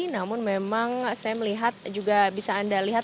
namun memang saya melihat juga bisa anda lihat